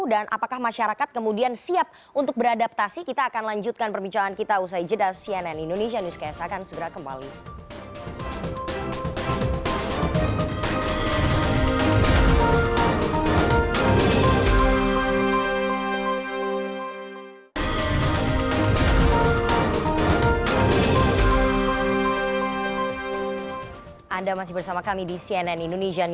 dan apakah masyarakat kemudian siap untuk beradaptasi